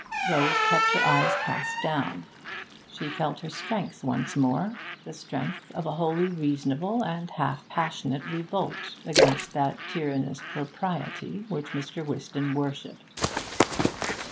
Rose kept her eyes cast down. She felt her strength once more, the strength of a wholly reasonable and half passionate revolt against that tyrannous propriety which Mr. Whiston worshipped.